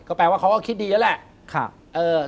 แปลว่าเขาก็คิดดีแล้วแหละ